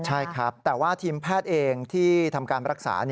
ใช่ครับแต่ว่าทีมแพทย์เองที่ทำการรักษา